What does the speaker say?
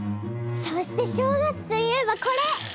そして正月といえばこれ！